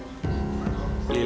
tante aku mau pergi